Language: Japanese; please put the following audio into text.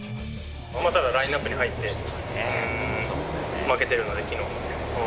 ただ、ラインナップに入って、負けてるので、きのうも。